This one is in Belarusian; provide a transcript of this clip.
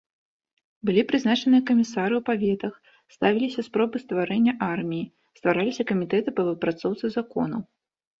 Былі прызначаныя камісары ў паветах, ставіліся спробы стварэння арміі, ствараліся камітэты па выпрацоўцы законаў.